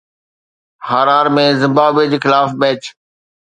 هارار ۾ Zimbabwe جي خلاف match